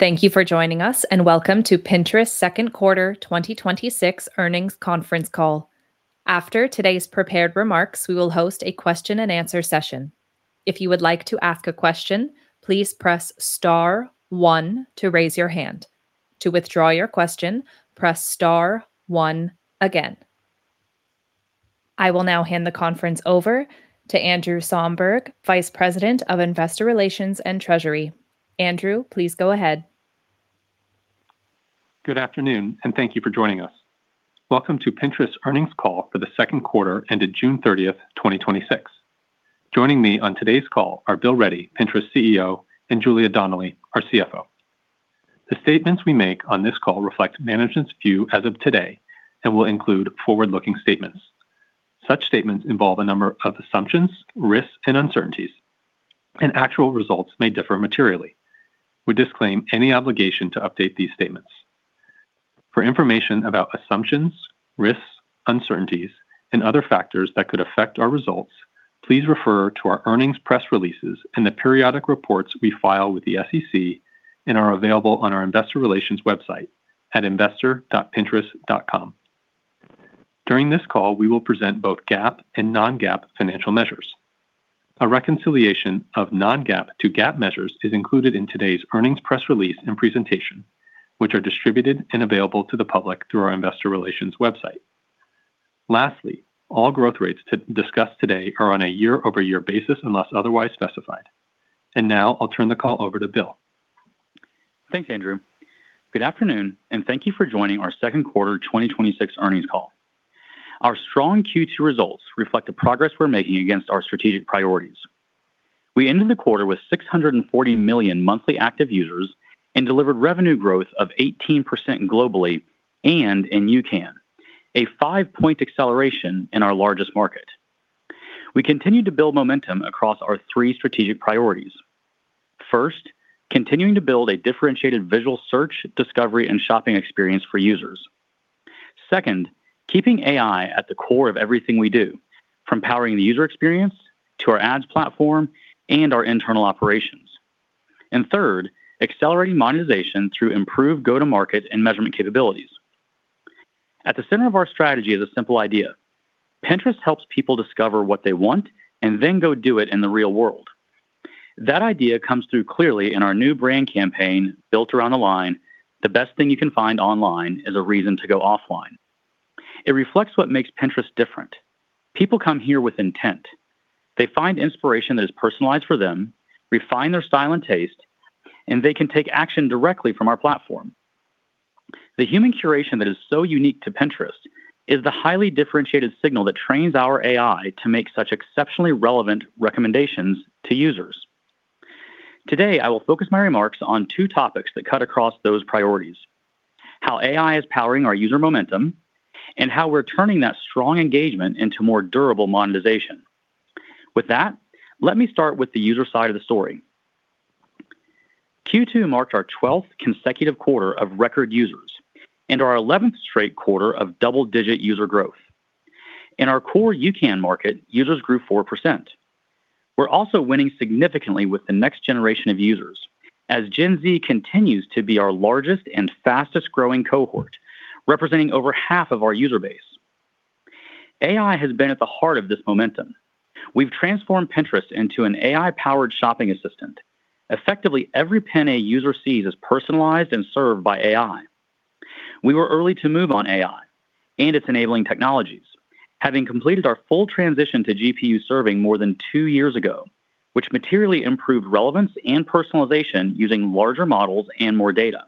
Thank you for joining us. Welcome to Pinterest's Second Quarter 2026 Earnings Conference Call. After today's prepared remarks, we will host a question and answer session. If you would like to ask a question, please press star one to raise your hand. To withdraw your question, press star one again. I will now hand the conference over to Andrew Somberg, Vice President of Investor Relations and Treasury. Andrew, please go ahead. Good afternoon. Thank you for joining us. Welcome to Pinterest's earnings call for the second quarter ended June 30th, 2026. Joining me on today's call are Bill Ready, Pinterest's CEO, and Julia Donnelly, our CFO. The statements we make on this call reflect management's view as of today and will include forward-looking statements. Such statements involve a number of assumptions, risks, and uncertainties. Actual results may differ materially. We disclaim any obligation to update these statements. For information about assumptions, risks, uncertainties, and other factors that could affect our results, please refer to our earnings press releases and the periodic reports we file with the SEC and are available on our investor relations website at investor.pinterest.com. During this call, we will present both GAAP and non-GAAP financial measures. A reconciliation of non-GAAP to GAAP measures is included in today's earnings press release and presentation, which are distributed and available to the public through our investor relations website. Lastly, all growth rates discussed today are on a year-over-year basis unless otherwise specified. Now I'll turn the call over to Bill. Thanks, Andrew. Good afternoon. Thank you for joining our second quarter 2026 earnings call. Our strong Q2 results reflect the progress we're making against our strategic priorities. We ended the quarter with 640 million monthly active users and delivered revenue growth of 18% globally and in UCAN, a five-point acceleration in our largest market. We continued to build momentum across our three strategic priorities. First, continuing to build a differentiated visual search, discovery, and shopping experience for users. Second, keeping AI at the core of everything we do, from powering the user experience to our ads platform and our internal operations. Third, accelerating monetization through improved go-to-market and measurement capabilities. At the center of our strategy is a simple idea. Pinterest helps people discover what they want and then go do it in the real world. That idea comes through clearly in our new brand campaign built around the line, the best thing you can find online is a reason to go offline. It reflects what makes Pinterest different. People come here with intent. They find inspiration that is personalized for them, refine their style and taste, and they can take action directly from our platform. The human curation that is so unique to Pinterest is the highly differentiated signal that trains our AI to make such exceptionally relevant recommendations to users. Today, I will focus my remarks on two topics that cut across those priorities: how AI is powering our user momentum and how we're turning that strong engagement into more durable monetization. With that, let me start with the user side of the story. Q2 marked our 12th consecutive quarter of record users and our 11th straight quarter of double-digit user growth. In our core UCAN market, users grew 4%. We're also winning significantly with the next generation of users as Gen Z continues to be our largest and fastest-growing cohort, representing over half of our user base. AI has been at the heart of this momentum. We've transformed Pinterest into an AI-powered shopping assistant. Effectively, every pin a user sees is personalized and served by AI. We were early to move on AI and its enabling technologies, having completed our full transition to GPU serving more than two years ago, which materially improved relevance and personalization using larger models and more data.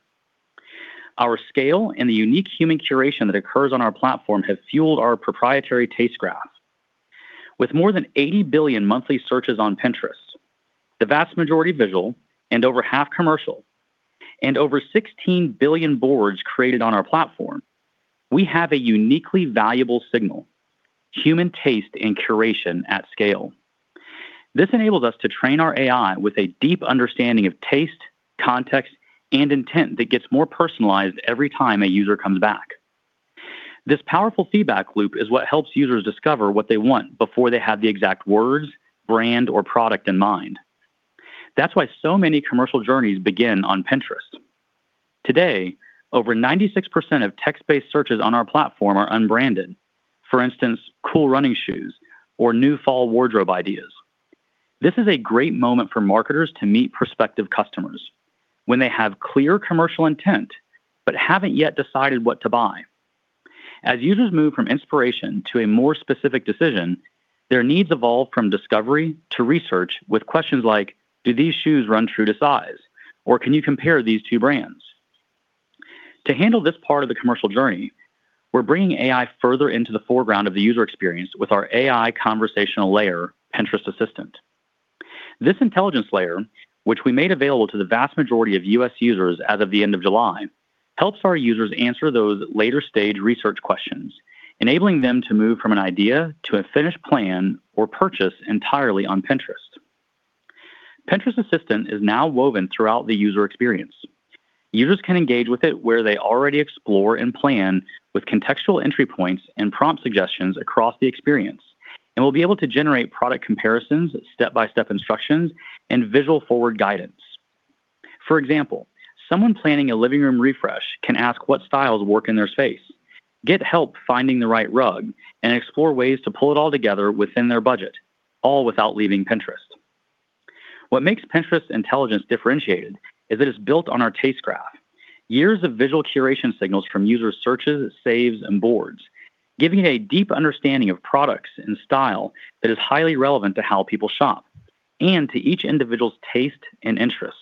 Our scale and the unique human curation that occurs on our platform have fueled our proprietary Taste Graph. With more than 80 billion monthly searches on Pinterest, the vast majority visual and over half commercial, and over 16 billion boards created on our platform, we have a uniquely valuable signal: human taste and curation at scale. This enables us to train our AI with a deep understanding of taste, context, and intent that gets more personalized every time a user comes back. This powerful feedback loop is what helps users discover what they want before they have the exact words, brand, or product in mind. That's why so many commercial journeys begin on Pinterest. Today, over 96% of text-based searches on our platform are unbranded. For instance, cool running shoes or new fall wardrobe ideas. This is a great moment for marketers to meet prospective customers when they have clear commercial intent but haven't yet decided what to buy. As users move from inspiration to a more specific decision, their needs evolve from discovery to research with questions like, do these shoes run true to size? or, can you compare these two brands? To handle this part of the commercial journey, we're bringing AI further into the foreground of the user experience with our AI conversational layer, Pinterest Assistant. This intelligence layer, which we made available to the vast majority of U.S. users as of the end of July, helps our users answer those later-stage research questions, enabling them to move from an idea to a finished plan or purchase entirely on Pinterest. Pinterest Assistant is now woven throughout the user experience. Users can engage with it where they already explore and plan with contextual entry points and prompt suggestions across the experience. We'll be able to generate product comparisons, step-by-step instructions, and visual forward guidance. For example, someone planning a living room refresh can ask what styles work in their space, get help finding the right rug, and explore ways to pull it all together within their budget, all without leaving Pinterest. What makes Pinterest intelligence differentiated is that it is built on our Taste Graph. Years of visual curation signals from user searches, saves, and boards, giving it a deep understanding of products and style that is highly relevant to how people shop and to each individual's taste and interests.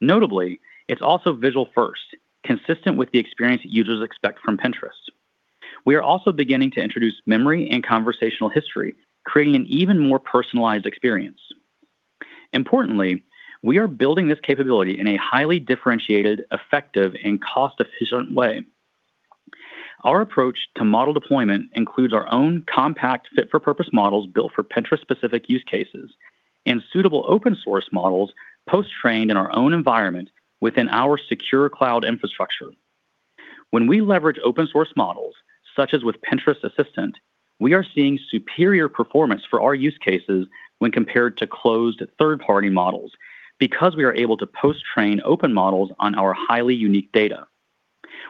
Notably, it's also visual first, consistent with the experience that users expect from Pinterest. We are also beginning to introduce memory and conversational history, creating an even more personalized experience. Importantly, we are building this capability in a highly differentiated, effective, and cost-efficient way. Our approach to model deployment includes our own compact fit-for-purpose models built for Pinterest specific use cases and suitable open source models post-trained in our own environment within our secure cloud infrastructure. When we leverage open source models, such as with Pinterest Assistant, we are seeing superior performance for our use cases when compared to closed third-party models because we are able to post-train open models on our highly unique data.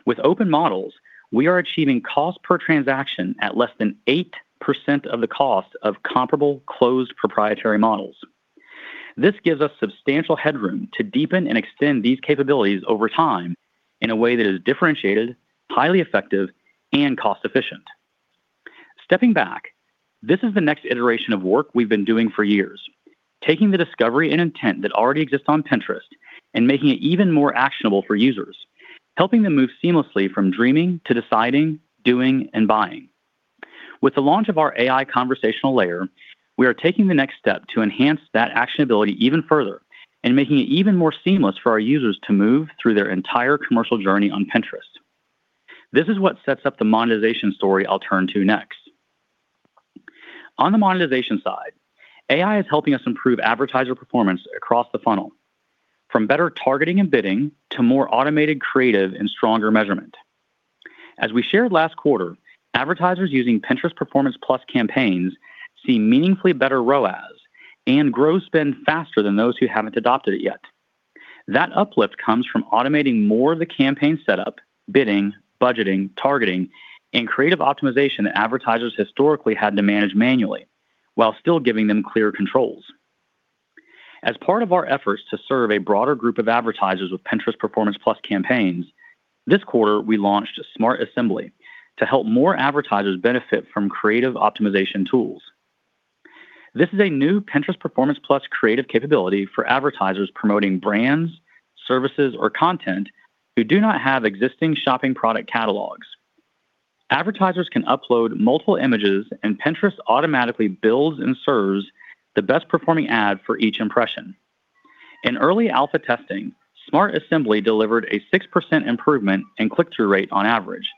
With open models, we are achieving cost per transaction at less than 8% of the cost of comparable closed proprietary models. This gives us substantial headroom to deepen and extend these capabilities over time in a way that is differentiated, highly effective, and cost efficient. Stepping back, this is the next iteration of work we've been doing for years, taking the discovery and intent that already exists on Pinterest and making it even more actionable for users, helping them move seamlessly from dreaming to deciding, doing, and buying. With the launch of our AI conversational layer, we are taking the next step to enhance that actionability even further and making it even more seamless for our users to move through their entire commercial journey on Pinterest. This is what sets up the monetization story I'll turn to next. On the monetization side, AI is helping us improve advertiser performance across the funnel, from better targeting and bidding to more automated creative and stronger measurement. As we shared last quarter, advertisers using Pinterest Performance+ campaigns see meaningfully better ROAS and grow spend faster than those who haven't adopted it yet. That uplift comes from automating more of the campaign setup, bidding, budgeting, targeting, and creative optimization that advertisers historically had to manage manually while still giving them clear controls. As part of our efforts to serve a broader group of advertisers with Pinterest Performance+ campaigns, this quarter, we launched Smart Assembly to help more advertisers benefit from creative optimization tools. This is a new Pinterest Performance+ creative capability for advertisers promoting brands, services, or content who do not have existing shopping product catalogs. Advertisers can upload multiple images, and Pinterest automatically builds and serves the best performing ad for each impression. In early alpha testing, Smart Assembly delivered a 6% improvement in click-through rate on average,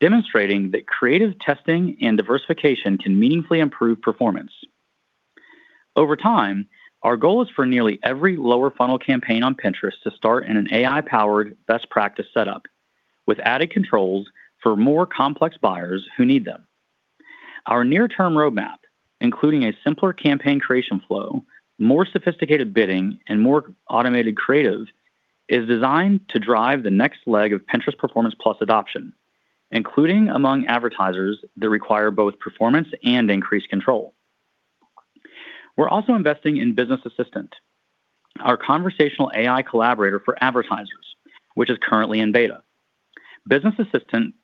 demonstrating that creative testing and diversification can meaningfully improve performance. Over time, our goal is for nearly every lower funnel campaign on Pinterest to start in an AI-powered best practice setup with added controls for more complex buyers who need them. Our near-term roadmap, including a simpler campaign creation flow, more sophisticated bidding, and more automated creative, is designed to drive the next leg of Pinterest Performance+ adoption, including among advertisers that require both performance and increased control. We are also investing in Business Assistant, our conversational AI collaborator for advertisers, which is currently in beta. Business Assistant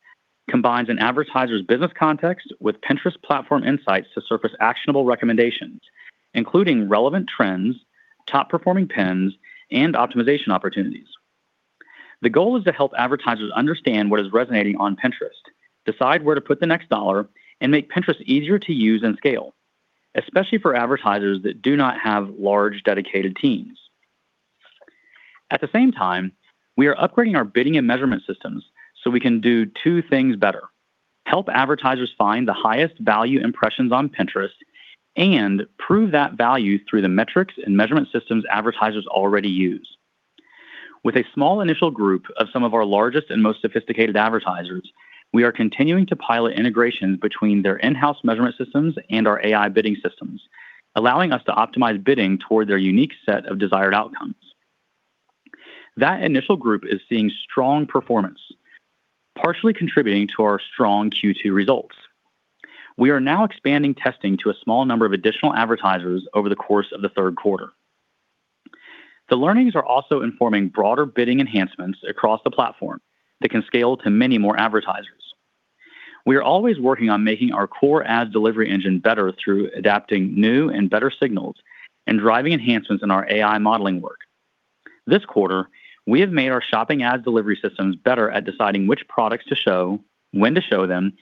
combines an advertiser's business context with Pinterest platform insights to surface actionable recommendations, including relevant trends, top-performing pins, and optimization opportunities. The goal is to help advertisers understand what is resonating on Pinterest, decide where to put the next dollar, and make Pinterest easier to use and scale, especially for advertisers that do not have large, dedicated teams. At the same time, we are upgrading our bidding and measurement systems so we can do two things better: help advertisers find the highest value impressions on Pinterest and prove that value through the metrics and measurement systems advertisers already use. With a small initial group of some of our largest and most sophisticated advertisers, we are continuing to pilot integrations between their in-house measurement systems and our AI bidding systems, allowing us to optimize bidding toward their unique set of desired outcomes. That initial group is seeing strong performance, partially contributing to our strong Q2 results. We are now expanding testing to a small number of additional advertisers over the course of the third quarter. The learnings are also informing broader bidding enhancements across the platform that can scale to many more advertisers. We are always working on making our core ad delivery engine better through adapting new and better signals and driving enhancements in our AI modeling work. This quarter, we have made our shopping ad delivery systems better at deciding which products to show, when to show them,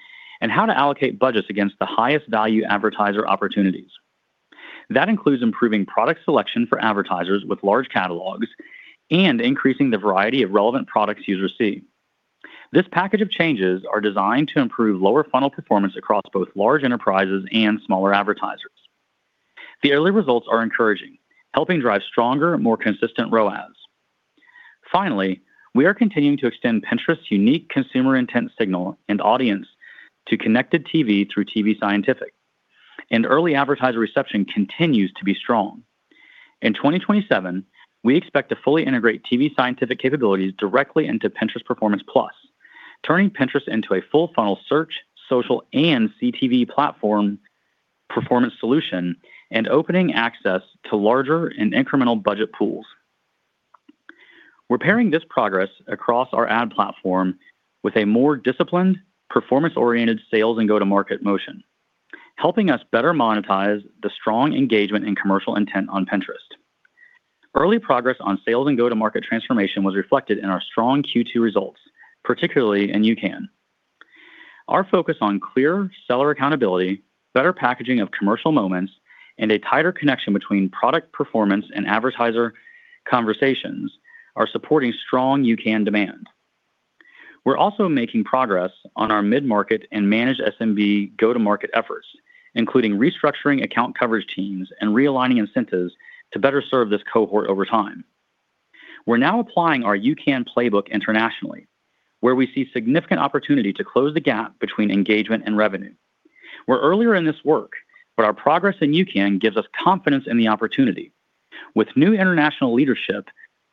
and how to allocate budgets against the highest value advertiser opportunities. That includes improving product selection for advertisers with large catalogs and increasing the variety of relevant products users see. This package of changes are designed to improve lower funnel performance across both large enterprises and smaller advertisers. The early results are encouraging, helping drive stronger and more consistent ROAS. Finally, we are continuing to extend Pinterest's unique consumer intent signal and audience to connected TV through tvScientific, and early advertiser reception continues to be strong. In 2027, we expect to fully integrate tvScientific capabilities directly into Pinterest Performance+, turning Pinterest into a full-funnel search, social, and CTV platform performance solution and opening access to larger and incremental budget pools. We are pairing this progress across our ad platform with a more disciplined, performance-oriented sales and go-to-market motion, helping us better monetize the strong engagement and commercial intent on Pinterest. Early progress on sales and go-to-market transformation was reflected in our strong Q2 results, particularly in UCAN. Our focus on clear seller accountability, better packaging of commercial moments, and a tighter connection between product performance and advertiser conversations are supporting strong UCAN demand. We are also making progress on our mid-market and managed SMB go-to-market efforts, including restructuring account coverage teams and realigning incentives to better serve this cohort over time. We're now applying our UCAN playbook internationally, where we see significant opportunity to close the gap between engagement and revenue. We're earlier in this work, but our progress in UCAN gives us confidence in the opportunity. With new international leadership,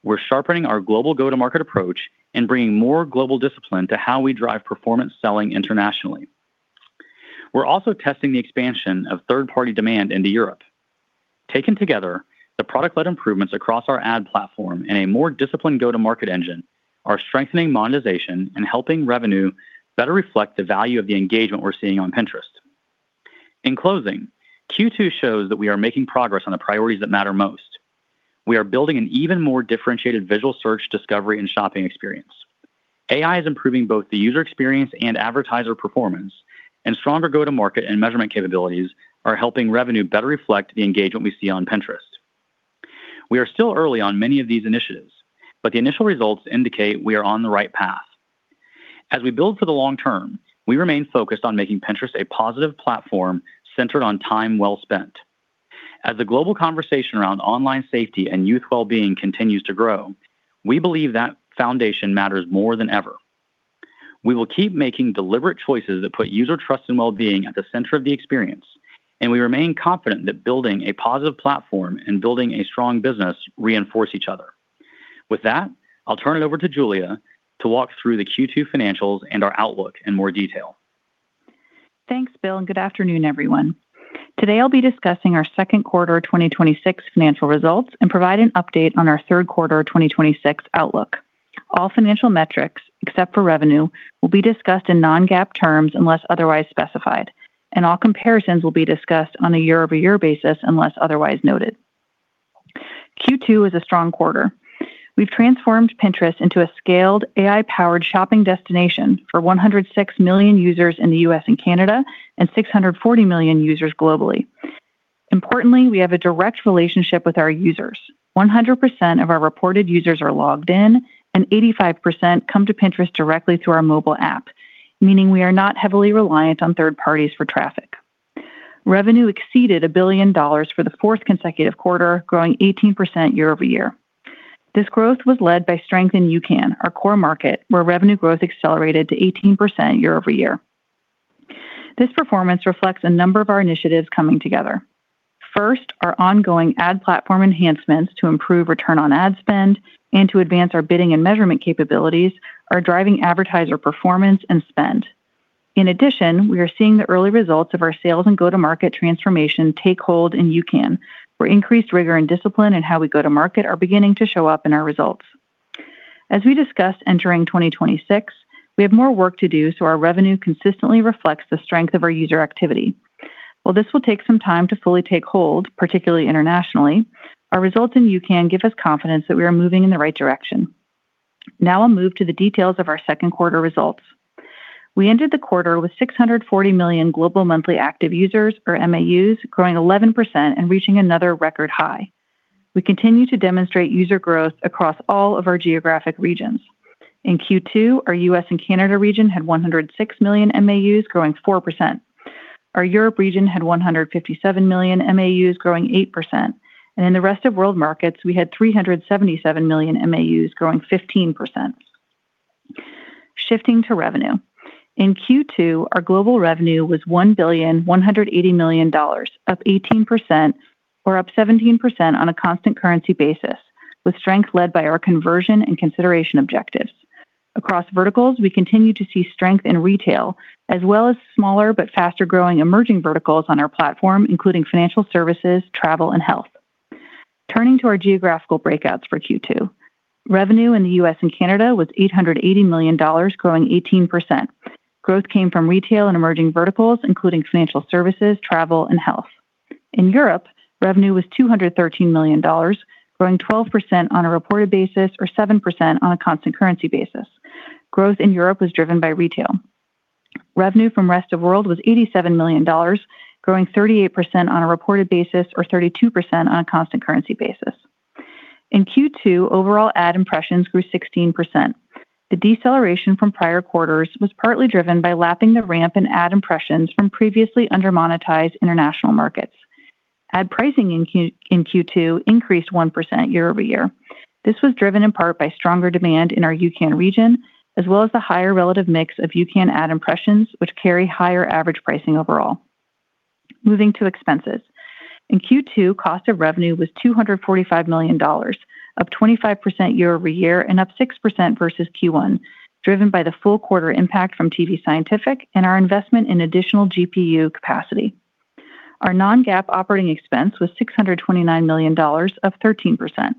we're sharpening our global go-to-market approach and bringing more global discipline to how we drive performance selling internationally. We're also testing the expansion of third-party demand into Europe. Taken together, the product-led improvements across our ad platform and a more disciplined go-to-market engine are strengthening monetization and helping revenue better reflect the value of the engagement we're seeing on Pinterest. In closing, Q2 shows that we are making progress on the priorities that matter most. We are building an even more differentiated visual search, discovery, and shopping experience. AI is improving both the user experience and advertiser performance. Stronger go-to-market and measurement capabilities are helping revenue better reflect the engagement we see on Pinterest. We are still early on many of these initiatives, but the initial results indicate we are on the right path. As we build for the long term, we remain focused on making Pinterest a positive platform centered on time well spent. As the global conversation around online safety and youth wellbeing continues to grow, we believe that foundation matters more than ever. We will keep making deliberate choices that put user trust and wellbeing at the center of the experience, and we remain confident that building a positive platform and building a strong business reinforce each other. With that, I'll turn it over to Julia to walk through the Q2 financials and our outlook in more detail. Thanks, Bill. Good afternoon, everyone. Today, I'll be discussing our second quarter 2026 financial results and provide an update on our third quarter 2026 outlook. All financial metrics, except for revenue, will be discussed in non-GAAP terms unless otherwise specified. All comparisons will be discussed on a year-over-year basis unless otherwise noted. Q2 was a strong quarter. We've transformed Pinterest into a scaled, AI-powered shopping destination for 106 million users in the U.S. and Canada and 640 million users globally. Importantly, we have a direct relationship with our users. 100% of our reported users are logged in, and 85% come to Pinterest directly through our mobile app, meaning we are not heavily reliant on third parties for traffic. Revenue exceeded $1 billion for the fourth consecutive quarter, growing 18% year-over-year. This growth was led by strength in UCAN, our core market, where revenue growth accelerated to 18% year-over-year. This performance reflects a number of our initiatives coming together. First, our ongoing ad platform enhancements to improve return on ad spend and to advance our bidding and measurement capabilities are driving advertiser performance and spend. In addition, we are seeing the early results of our sales and go-to-market transformation take hold in UCAN, where increased rigor and discipline in how we go to market are beginning to show up in our results. As we discussed entering 2026, we have more work to do so our revenue consistently reflects the strength of our user activity. While this will take some time to fully take hold, particularly internationally, our results in UCAN give us confidence that we are moving in the right direction. Now I'll move to the details of our second quarter results. We ended the quarter with 640 million global monthly active users, or MAUs, growing 11% and reaching another record high. We continue to demonstrate user growth across all of our geographic regions. In Q2, our U.S. and Canada region had 106 million MAUs, growing 4%. Our Europe region had 157 million MAUs, growing 8%, and in the rest of world markets, we had 377 million MAUs, growing 15%. Shifting to revenue. In Q2, our global revenue was $1.18 billion, up 18%, or up 17% on a constant currency basis, with strength led by our conversion and consideration objectives. Across verticals, we continue to see strength in retail as well as smaller but faster-growing emerging verticals on our platform, including financial services, travel, and health. Turning to our geographical breakouts for Q2. Revenue in the U.S. and Canada was $880 million, growing 18%. Growth came from retail and emerging verticals, including financial services, travel, and health. In Europe, revenue was $213 million, growing 12% on a reported basis or 7% on a constant currency basis. Growth in Europe was driven by retail. Revenue from rest of world was $87 million, growing 38% on a reported basis or 32% on a constant currency basis. In Q2, overall ad impressions grew 16%. The deceleration from prior quarters was partly driven by lapping the ramp in ad impressions from previously under-monetized international markets. Ad pricing in Q2 increased 1% year-over-year. This was driven in part by stronger demand in our UCAN region, as well as the higher relative mix of UCAN ad impressions, which carry higher average pricing overall. Moving to expenses. In Q2, cost of revenue was $245 million, up 25% year-over-year and up 6% versus Q1, driven by the full quarter impact from tvScientific and our investment in additional GPU capacity. Our non-GAAP operating expense was $629 million, up 13%.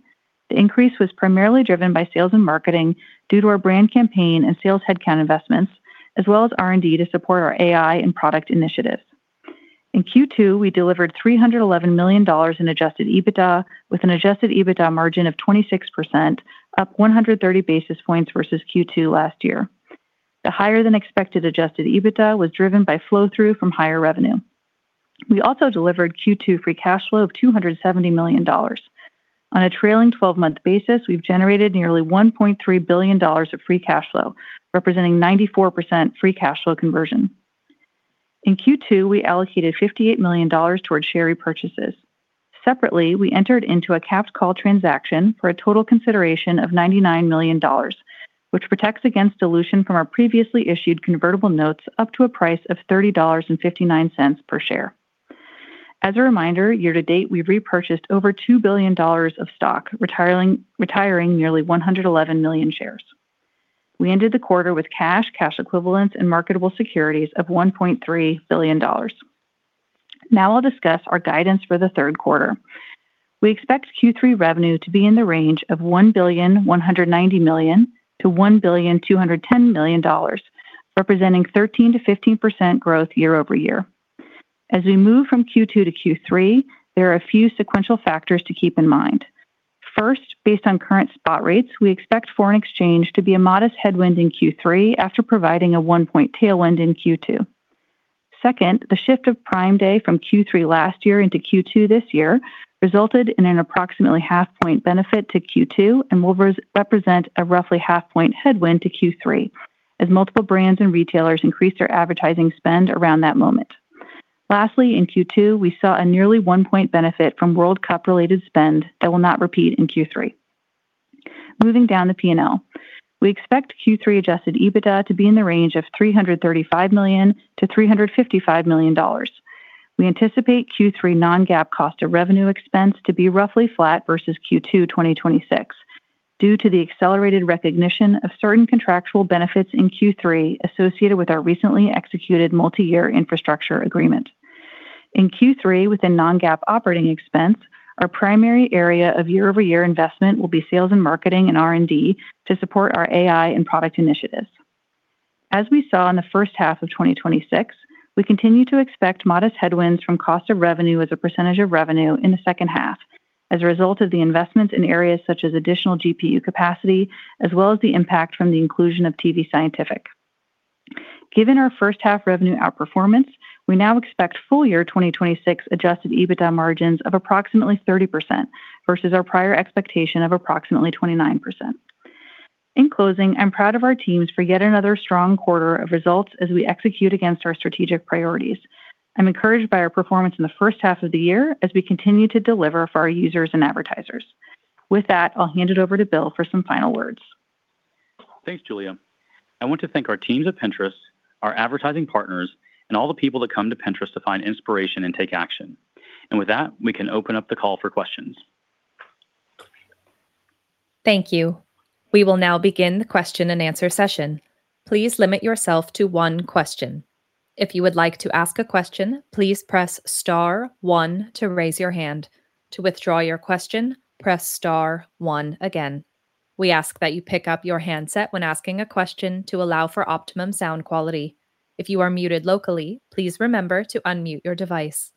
The increase was primarily driven by sales and marketing due to our brand campaign and sales headcount investments, as well as R&D to support our AI and product initiatives. In Q2, we delivered $311 million in adjusted EBITDA with an adjusted EBITDA margin of 26%, up 130 basis points versus Q2 last year. The higher than expected adjusted EBITDA was driven by flow-through from higher revenue. We also delivered Q2 free cash flow of $270 million. On a trailing 12-month basis, we've generated nearly $1.3 billion of free cash flow, representing 94% free cash flow conversion. In Q2, we allocated $58 million towards share repurchases. Separately, we entered into a capped call transaction for a total consideration of $99 million, which protects against dilution from our previously issued convertible notes up to a price of $30.59 per share. As a reminder, year to date, we've repurchased over $2 billion of stock, retiring nearly 111 million shares. We ended the quarter with cash equivalents, and marketable securities of $1.3 billion. Now I'll discuss our guidance for the third quarter. We expect Q3 revenue to be in the range of $1.19 billion-$1.21 billion, representing 13%-15% growth year-over-year. As we move from Q2 to Q3, there are a few sequential factors to keep in mind. First, based on current spot rates, we expect foreign exchange to be a modest headwind in Q3 after providing a one-point tailwind in Q2. Second, the shift of Prime Day from Q3 last year into Q2 this year resulted in an approximately half-point benefit to Q2 and will represent a roughly half-point headwind to Q3 as multiple brands and retailers increased their advertising spend around that moment. Lastly, in Q2, we saw a nearly one-point benefit from World Cup-related spend that will not repeat in Q3. Moving down the P&L. We expect Q3 adjusted EBITDA to be in the range of $335 million-$355 million. We anticipate Q3 non-GAAP cost of revenue expense to be roughly flat versus Q2 2026 due to the accelerated recognition of certain contractual benefits in Q3 associated with our recently executed multi-year infrastructure agreement. In Q3, within non-GAAP operating expense, our primary area of year-over-year investment will be sales and marketing and R&D to support our AI and product initiatives. As we saw in the first half of 2026, we continue to expect modest headwinds from cost of revenue as a percentage of revenue in the second half as a result of the investments in areas such as additional GPU capacity, as well as the impact from the inclusion of tvScientific. Given our first half revenue outperformance, we now expect full year 2026 adjusted EBITDA margins of approximately 30% versus our prior expectation of approximately 29%. In closing, I'm proud of our teams for yet another strong quarter of results as we execute against our strategic priorities. I'm encouraged by our performance in the first half of the year as we continue to deliver for our users and advertisers. With that, I'll hand it over to Bill for some final words. Thanks, Julia. I want to thank our teams at Pinterest, our advertising partners, and all the people that come to Pinterest to find inspiration and take action. With that, we can open up the call for questions. Thank you. We will now begin the question and answer session. Please limit yourself to one question. If you would like to ask a question, please press star one to raise your hand. To withdraw your question, press star one again. We ask that you pick up your handset when asking a question to allow for optimum sound quality. If you are muted locally, please remember to unmute your device.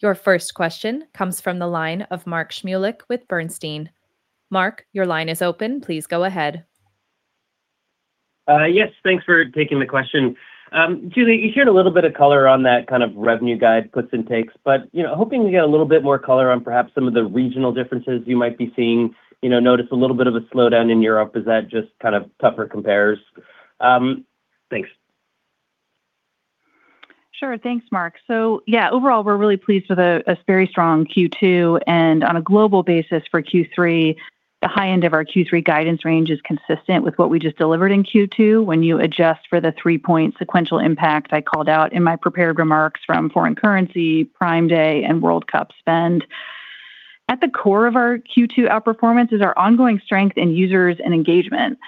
Your first question comes from the line of Mark Shmulik with Bernstein. Mark, your line is open. Please go ahead. Yes, thanks for taking the question. Julia, you shared a little bit of color on that kind of revenue guide, puts and takes, but hoping to get a little bit more color on perhaps some of the regional differences you might be seeing. Notice a little bit of a slowdown in Europe. Is that just kind of tougher compares? Thanks. Sure. Thanks, Mark. Yeah, overall, we're really pleased with a very strong Q2. On a global basis for Q3, the high end of our Q3 guidance range is consistent with what we just delivered in Q2 when you adjust for the three-point sequential impact I called out in my prepared remarks from foreign currency, Prime Day, and World Cup spend. At the core of our Q2 outperformance is our ongoing strength in users and engagement.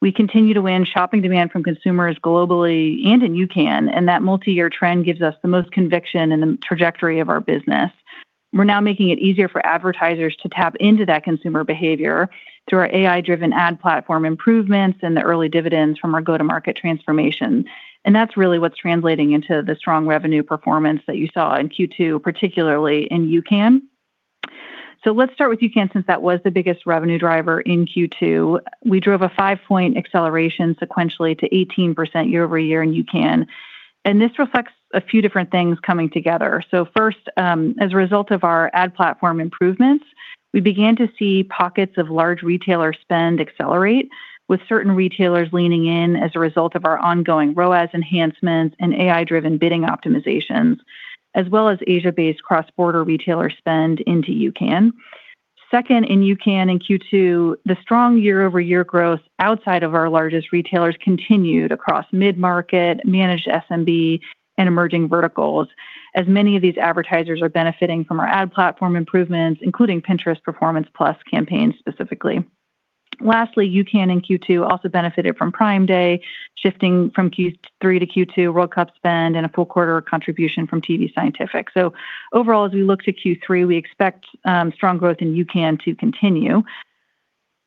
We continue to win shopping demand from consumers globally and in UCAN, and that multi-year trend gives us the most conviction in the trajectory of our business. We're now making it easier for advertisers to tap into that consumer behavior through our AI-driven ad platform improvements and the early dividends from our go-to-market transformation. That's really what's translating into the strong revenue performance that you saw in Q2, particularly in UCAN. Let's start with UCAN, since that was the biggest revenue driver in Q2. We drove a five-point acceleration sequentially to 18% year-over-year in UCAN, and this reflects a few different things coming together. First, as a result of our ad platform improvements, we began to see pockets of large retailer spend accelerate with certain retailers leaning in as a result of our ongoing ROAS enhancements and AI-driven bidding optimizations, as well as Asia-based cross-border retailer spend into UCAN. Second, in UCAN in Q2, the strong year-over-year growth outside of our largest retailers continued across mid-market, managed SMB, and emerging verticals, as many of these advertisers are benefiting from our ad platform improvements, including Pinterest Performance+ campaigns specifically. Lastly, UCAN in Q2 also benefited from Prime Day, shifting from Q3 to Q2 World Cup spend and a full quarter of contribution from tvScientific. Overall, as we look to Q3, we expect strong growth in UCAN to continue.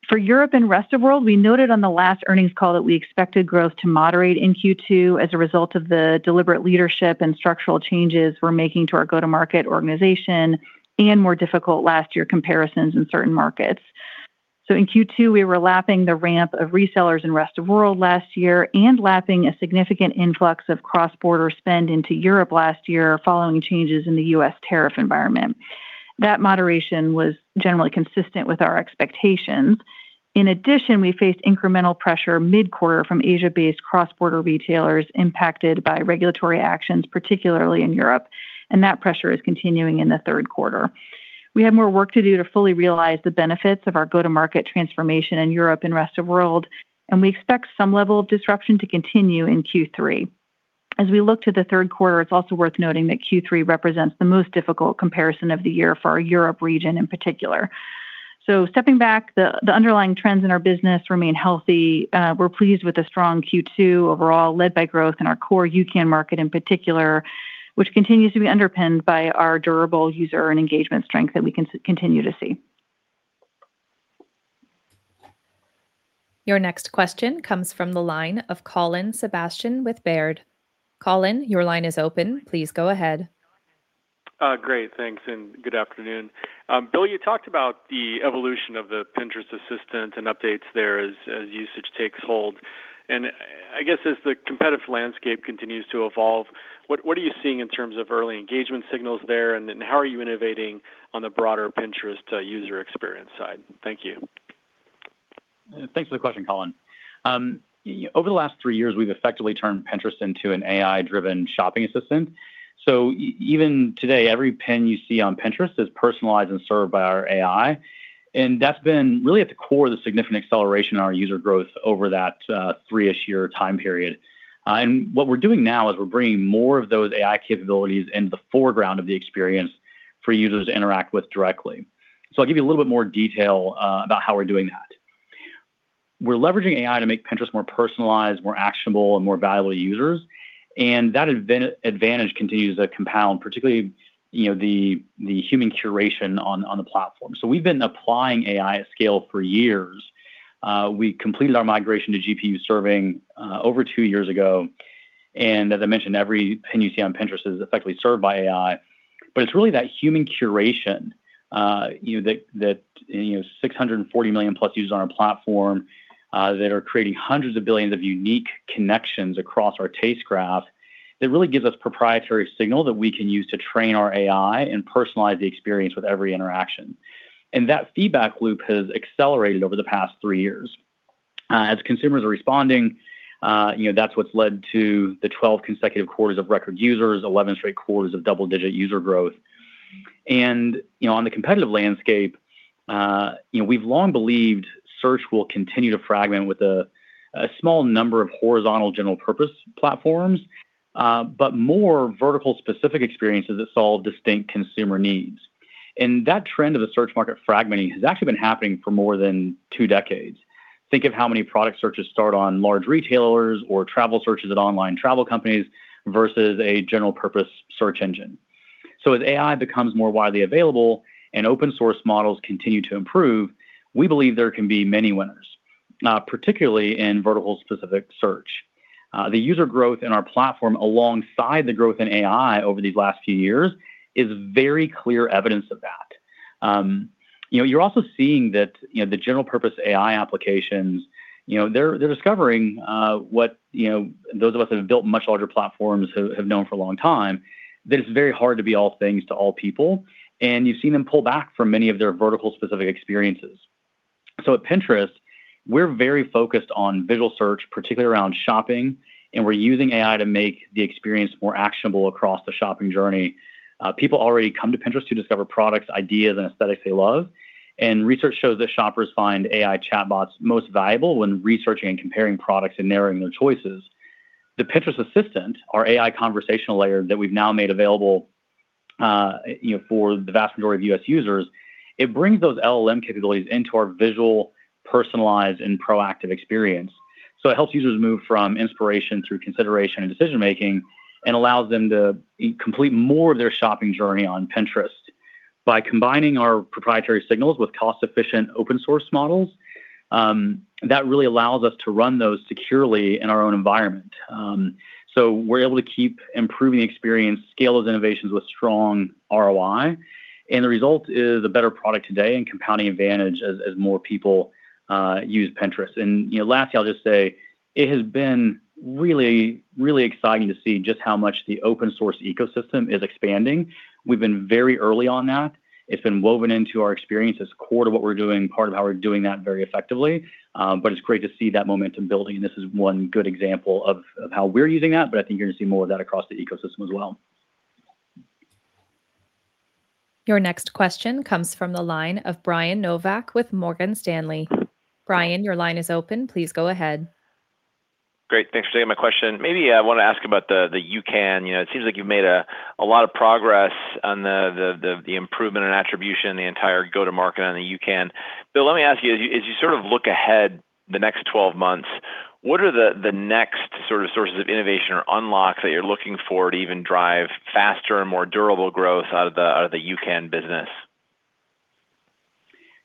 For Europe and rest of world, we noted on the last earnings call that we expected growth to moderate in Q2 as a result of the deliberate leadership and structural changes we're making to our go-to-market organization and more difficult last year comparisons in certain markets. In Q2, we were lapping the ramp of resellers in rest of world last year and lapping a significant influx of cross-border spend into Europe last year following changes in the U.S. tariff environment. That moderation was generally consistent with our expectations. In addition, we faced incremental pressure mid-quarter from Asia-based cross-border retailers impacted by regulatory actions, particularly in Europe, and that pressure is continuing in the third quarter. We have more work to do to fully realize the benefits of our go-to-market transformation in Europe and rest of world, and we expect some level of disruption to continue in Q3. As we look to the third quarter, it's also worth noting that Q3 represents the most difficult comparison of the year for our Europe region in particular. Stepping back, the underlying trends in our business remain healthy. We're pleased with the strong Q2 overall, led by growth in our core UCAN market in particular, which continues to be underpinned by our durable user and engagement strength that we continue to see. Your next question comes from the line of Colin Sebastian with Baird. Colin, your line is open. Please go ahead. Great, thanks, and good afternoon. Bill, you talked about the evolution of the Pinterest Assistant and updates there as usage takes hold. I guess as the competitive landscape continues to evolve, what are you seeing in terms of early engagement signals there, and then how are you innovating on the broader Pinterest user experience side? Thank you. Thanks for the question, Colin. Over the last three years, we've effectively turned Pinterest into an AI-driven shopping assistant. Even today, every pin you see on Pinterest is personalized and served by our AI, and that's been really at the core of the significant acceleration in our user growth over that three-ish year time period. What we're doing now is we're bringing more of those AI capabilities into the foreground of the experience for users to interact with directly. I'll give you a little bit more detail about how we're doing that. We're leveraging AI to make Pinterest more personalized, more actionable, and more valuable to users. That advantage continues to compound, particularly the human curation on the platform. We've been applying AI at scale for years. We completed our migration to GPU serving over two years ago. As I mentioned, every pin you see on Pinterest is effectively served by AI. It's really that human curation, that 640 million plus users on our platform that are creating hundreds of billions of unique connections across our Taste Graph that really gives us proprietary signal that we can use to train our AI and personalize the experience with every interaction. That feedback loop has accelerated over the past three years. As consumers are responding, that's what's led to the 12 consecutive quarters of record users, 11 straight quarters of double-digit user growth. On the competitive landscape, we've long believed search will continue to fragment with a small number of horizontal general purpose platforms, but more vertical specific experiences that solve distinct consumer needs. That trend of the search market fragmenting has actually been happening for more than two decades. Think of how many product searches start on large retailers or travel searches at online travel companies versus a general purpose search engine. As AI becomes more widely available and open source models continue to improve, we believe there can be many winners, particularly in vertical specific search. The user growth in our platform alongside the growth in AI over these last few years is very clear evidence of that. You're also seeing that the general purpose AI applications, they're discovering what those of us that have built much larger platforms have known for a long time, that it's very hard to be all things to all people, and you've seen them pull back from many of their vertical specific experiences. At Pinterest, we're very focused on visual search, particularly around shopping, and we're using AI to make the experience more actionable across the shopping journey. People already come to Pinterest to discover products, ideas, and aesthetics they love. Research shows that shoppers find AI chatbots most valuable when researching and comparing products and narrowing their choices. The Pinterest Assistant, our AI conversational layer that we've now made available for the vast majority of U.S. users, it brings those LLM capabilities into our visual, personalized, and proactive experience. It helps users move from inspiration through consideration and decision-making and allows them to complete more of their shopping journey on Pinterest. By combining our proprietary signals with cost-efficient open source models, that really allows us to run those securely in our own environment. We're able to keep improving the experience, scale those innovations with strong ROI, and the result is a better product today and compounding advantage as more people use Pinterest. Lastly, I'll just say It has been really exciting to see just how much the open source ecosystem is expanding. We've been very early on that. It's been woven into our experience as core to what we're doing, part of how we're doing that very effectively. It's great to see that momentum building. This is one good example of how we're using that. I think you're going to see more of that across the ecosystem as well. Your next question comes from the line of Brian Nowak with Morgan Stanley. Brian, your line is open. Please go ahead. Great. Thanks for taking my question. Maybe I want to ask about the UCAN. It seems like you've made a lot of progress on the improvement and attribution, the entire go-to-market on the UCAN. Bill, let me ask you, as you look ahead the next 12 months, what are the next sources of innovation or unlocks that you're looking for to even drive faster and more durable growth out of the UCAN business?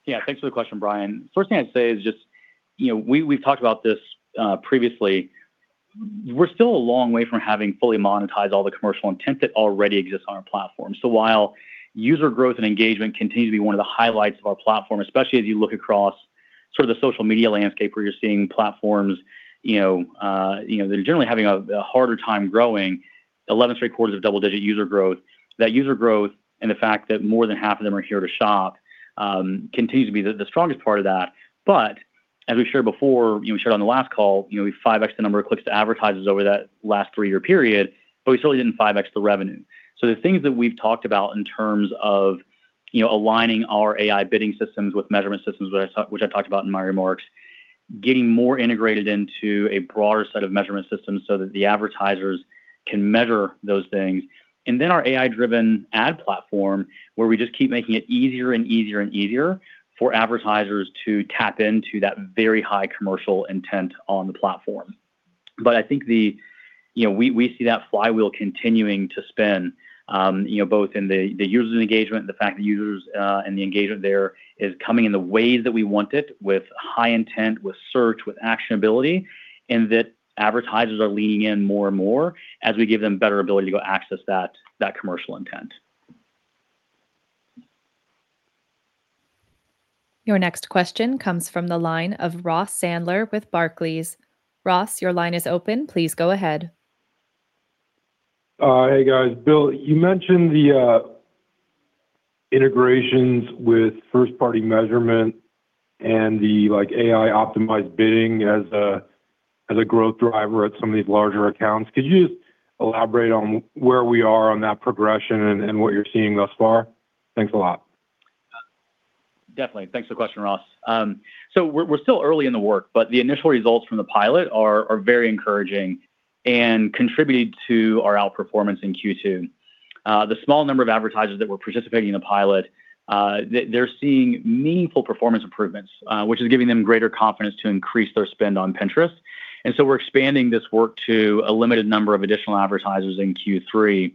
Yeah. Thanks for the question, Brian. First thing I'd say is just, we've talked about this previously. We're still a long way from having fully monetized all the commercial intent that already exists on our platform. While user growth and engagement continue to be one of the highlights of our platform, especially as you look across the social media landscape, where you're seeing platforms that are generally having a harder time growing 11 straight quarters of double-digit user growth. That user growth and the fact that more than half of them are here to shop continues to be the strongest part of that. As we've shared before, we shared on the last call, we 5x'd the number of clicks to advertisers over that last three-year period, we still didn't 5x the revenue. The things that we've talked about in terms of aligning our AI bidding systems with measurement systems, which I talked about in my remarks, getting more integrated into a broader set of measurement systems so that the advertisers can measure those things. Our AI-driven ad platform, where we just keep making it easier and easier for advertisers to tap into that very high commercial intent on the platform. I think we see that flywheel continuing to spin both in the user engagement, the fact that users and the engagement there is coming in the ways that we want it with high intent, with search, with actionability, and that advertisers are leaning in more and more as we give them better ability to go access that commercial intent. Your next question comes from the line of Ross Sandler with Barclays. Ross, your line is open. Please go ahead. Hey, guys. Bill, you mentioned the integrations with first-party measurement and the AI-optimized bidding as a growth driver at some of these larger accounts. Could you just elaborate on where we are on that progression and what you're seeing thus far? Thanks a lot. Definitely. Thanks for the question, Ross. We're still early in the work, the initial results from the pilot are very encouraging and contributed to our outperformance in Q2. The small number of advertisers that were participating in the pilot, they're seeing meaningful performance improvements, which is giving them greater confidence to increase their spend on Pinterest. We're expanding this work to a limited number of additional advertisers in Q3.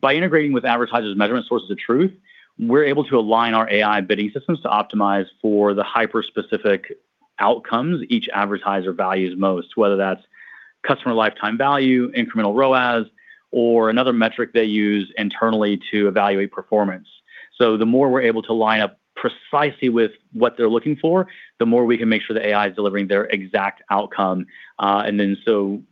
By integrating with advertisers' measurement sources of truth, we're able to align our AI bidding systems to optimize for the hyper-specific outcomes each advertiser values most, whether that's customer lifetime value, incremental ROAS, or another metric they use internally to evaluate performance. The more we're able to line up precisely with what they're looking for, the more we can make sure the AI is delivering their exact outcome.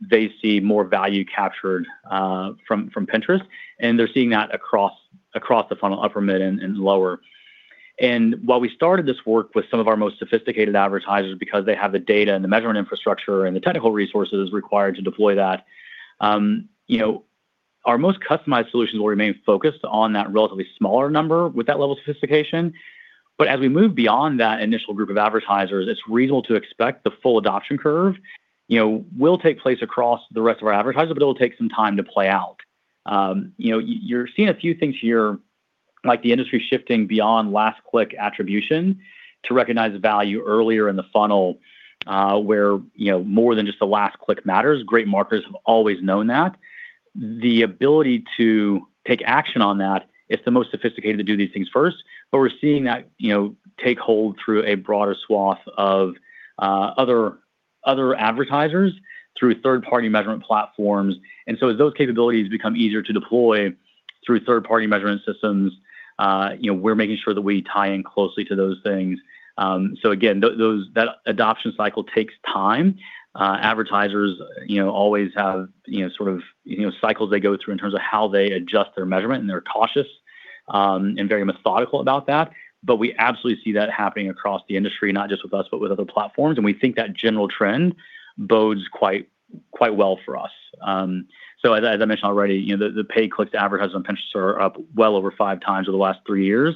They see more value captured from Pinterest, they're seeing that across the funnel, upper mid, and lower. While we started this work with some of our most sophisticated advertisers because they have the data and the measurement infrastructure and the technical resources required to deploy that, our most customized solutions will remain focused on that relatively smaller number with that level of sophistication. As we move beyond that initial group of advertisers, it's reasonable to expect the full adoption curve will take place across the rest of our advertisers, it'll take some time to play out. You're seeing a few things here, like the industry shifting beyond last click attribution to recognize the value earlier in the funnel, where more than just the last click matters. Great marketers have always known that. The ability to take action on that, it's the most sophisticated to do these things first. We're seeing that take hold through a broader swath of other advertisers through third-party measurement platforms. As those capabilities become easier to deploy through third-party measurement systems, we're making sure that we tie in closely to those things. Again, that adoption cycle takes time. Advertisers always have cycles they go through in terms of how they adjust their measurement, and they're cautious and very methodical about that. We absolutely see that happening across the industry, not just with us, but with other platforms. We think that general trend bodes quite well for us. As I mentioned already, the paid clicks to advertisements on Pinterest are up well over 5x over the last three years.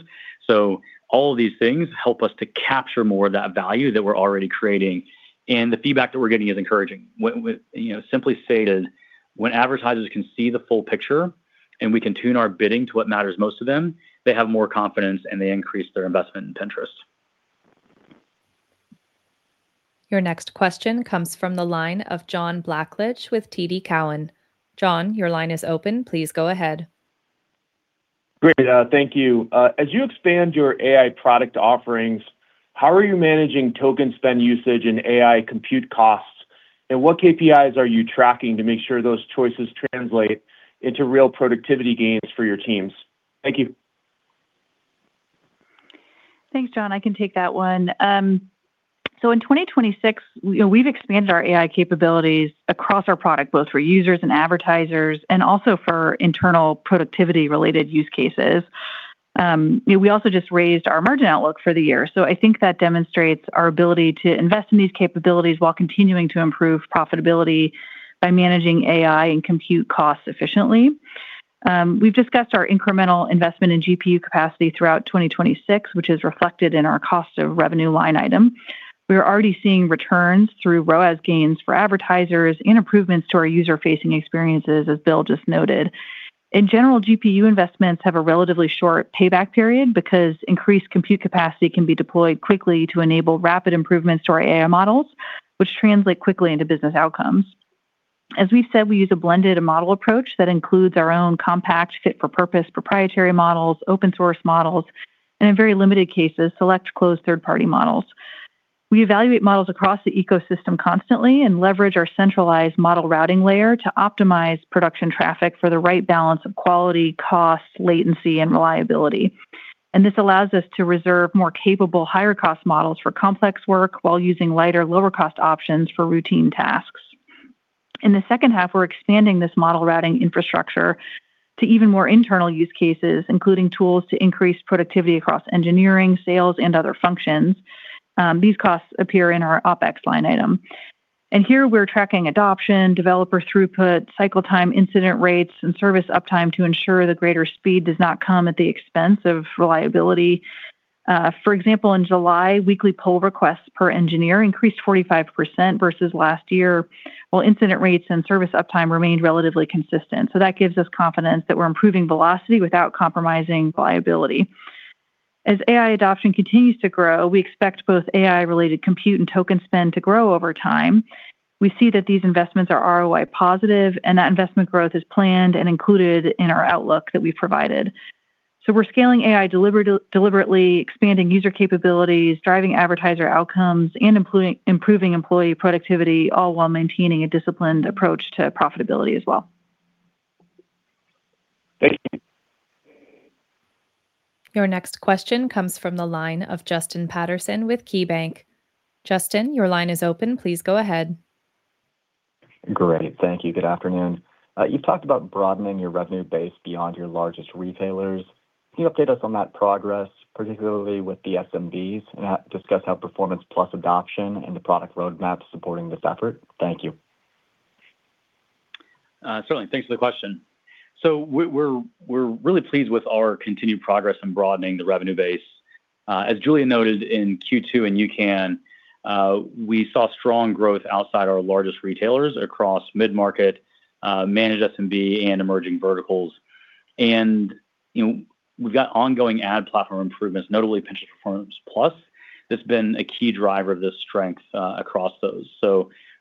All of these things help us to capture more of that value that we're already creating. The feedback that we're getting is encouraging. Simply stated, when advertisers can see the full picture and we can tune our bidding to what matters most to them, they have more confidence, and they increase their investment in Pinterest. Your next question comes from the line of John Blackledge with TD Cowen. John, your line is open. Please go ahead. Great. Thank you. As you expand your AI product offerings, how are you managing token spend usage and AI compute costs? What KPIs are you tracking to make sure those choices translate into real productivity gains for your teams? Thank you. Thanks, John. I can take that one. In 2026, we've expanded our AI capabilities across our product, both for users and advertisers, and also for internal productivity-related use cases. We also just raised our margin outlook for the year. I think that demonstrates our ability to invest in these capabilities while continuing to improve profitability by managing AI and compute costs efficiently. We've discussed our incremental investment in GPU capacity throughout 2026, which is reflected in our cost of revenue line item. We are already seeing returns through ROAS gains for advertisers and improvements to our user-facing experiences, as Bill just noted. In general, GPU investments have a relatively short payback period because increased compute capacity can be deployed quickly to enable rapid improvements to our AI models, which translate quickly into business outcomes. As we said, we use a blended model approach that includes our own compact fit-for-purpose proprietary models, open source models, and in very limited cases, select closed third-party models. We evaluate models across the ecosystem constantly and leverage our centralized model routing layer to optimize production traffic for the right balance of quality, cost, latency, and reliability. This allows us to reserve more capable, higher-cost models for complex work while using lighter, lower-cost options for routine tasks. In the second half, we're expanding this model routing infrastructure to even more internal use cases, including tools to increase productivity across engineering, sales, and other functions. These costs appear in our OpEx line item. Here we're tracking adoption, developer throughput, cycle time, incident rates, and service uptime to ensure that greater speed does not come at the expense of reliability. For example, in July, weekly pull requests per engineer increased 45% versus last year, while incident rates and service uptime remained relatively consistent. That gives us confidence that we're improving velocity without compromising reliability. As AI adoption continues to grow, we expect both AI-related compute and token spend to grow over time. We see that these investments are ROI positive. That investment growth is planned and included in our outlook that we've provided. We're scaling AI deliberately, expanding user capabilities, driving advertiser outcomes, and improving employee productivity, all while maintaining a disciplined approach to profitability as well. Thank you. Your next question comes from the line of Justin Patterson with KeyBanc. Justin, your line is open. Please go ahead. Great. Thank you. Good afternoon. You've talked about broadening your revenue base beyond your largest retailers. Can you update us on that progress, particularly with the SMBs, and discuss how Performance+ adoption and the product roadmap is supporting this effort? Thank you. Certainly. Thanks for the question. We're really pleased with our continued progress in broadening the revenue base. As Julia noted in Q2 and UCAN, we saw strong growth outside our largest retailers across mid-market, managed SMB, and emerging verticals. We've got ongoing ad platform improvements, notably Pinterest Performance+, that's been a key driver of this strength across those.